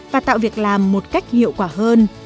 và tạo việc làm một cách hiệu quả hơn